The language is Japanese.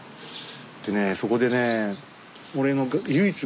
でねそこでね